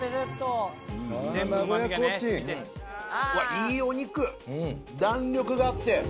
いいお肉弾力があって。